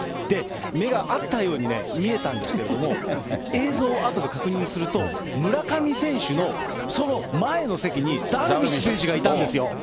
目が合ったように見えたんですけれども、映像、あとで確認すると、村上選手のその前の席にダルビッシュ選手がいたんですよ。